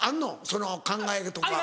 その考えとか。